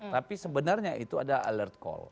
tapi sebenarnya itu ada alert call